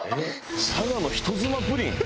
「佐賀の人妻プリン」